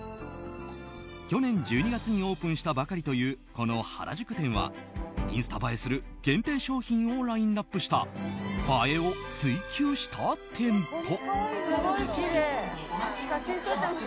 去年１２月にオープンしたばかりというこの原宿店はインスタ映えする限定商品をラインアップした映えを追求した店舗。